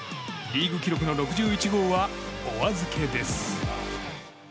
リーグ記録の６１号はお預けです。